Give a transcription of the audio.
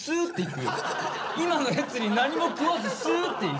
今のやつに何も食わずすーって行く。